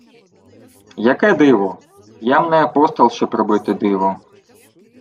— Яке диво? Я-м не апостол, щоб робити диво.